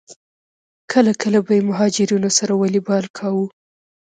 کله کله به یې مهاجرینو سره والیبال کاوه.